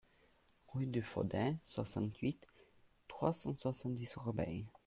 Rue du Faudé, soixante-huit, trois cent soixante-dix Orbey